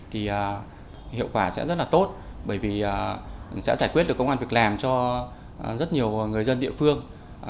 thì hiệu quả sẽ rất là tốt bởi vì sẽ giải quyết được công an việc làm cho rất nhiều người dân địa phương